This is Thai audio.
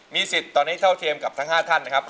สิทธิ์ตอนนี้เท่าเทียมกับทั้ง๕ท่านนะครับ